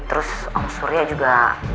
terus om surya juga